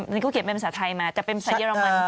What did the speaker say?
นี่เขาเขียนเป็นภาษาไทยมาแต่เป็นภาษาเรมัน